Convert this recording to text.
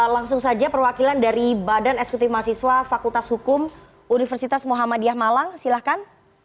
langsung saja perwakilan dari badan eksekutif mahasiswa fakultas hukum universitas muhammadiyah malang silahkan